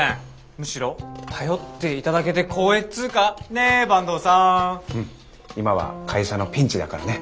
むしろ頼って頂けて光栄っつうかね坂東さん。うん今は会社のピンチだからね。